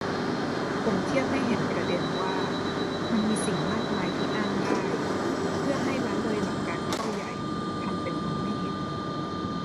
ผมเทียบให้เห็นประเด็นว่า มันมีสิ่งมากมายที่อ้างได้ เพื่อให้ละเลยหลักการข้อใหญ่ ทำเป็นมองไม่เห็น